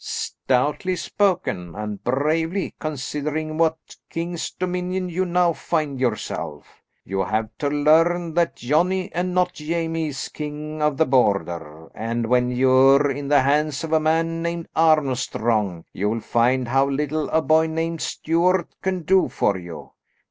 "Stoutly spoken and bravely, considering in what king's dominion you now find yourself. You have to learn that Johnny, and not Jamie, is king of the Border. And when you're in the hands of a man named Armstrong, you'll find how little a boy named Stuart can do for you.